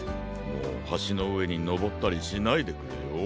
もうはしのうえにのぼったりしないでくれよ。